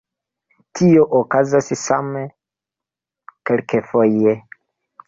Tio okazas same kelkfoje.